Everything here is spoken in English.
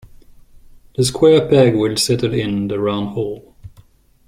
The square peg will settle in the round hole.